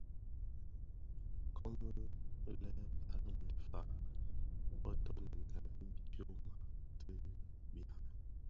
Komid lè Balum dhi fag bō toňdènga bi tyoma ti bia.